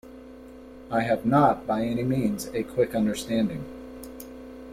I have not by any means a quick understanding.